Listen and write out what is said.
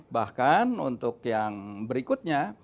bahkan untuk yang berikutnya